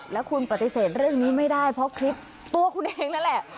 แล้วคุณปฏิเสธเรื่องนี้ไม่ได้เพราะคลิปตัวคุณเองนั่นแหละ